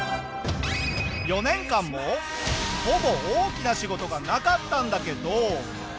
４年間もほぼ大きな仕事がなかったんだけど。